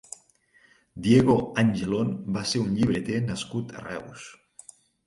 Diego Angelón va ser un llibreter nascut a Reus.